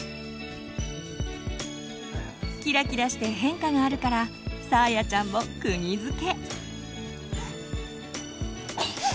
きらきらして変化があるからさあやちゃんもくぎづけ。